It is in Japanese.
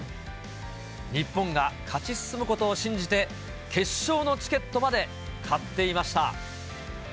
日本が勝ち進むことを信じて、決勝のチケットまで買っていました。